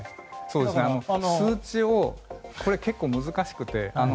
数値って結構難しくて。